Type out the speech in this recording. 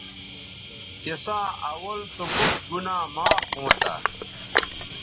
تِساں اول سو بُوٹ گنا معاف ھونتہ